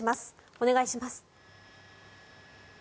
お願いします。